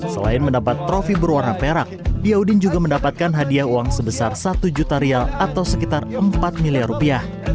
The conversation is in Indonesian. selain mendapat trofi berwarna perak diyaudin juga mendapatkan hadiah uang sebesar satu juta rial atau sekitar empat miliar rupiah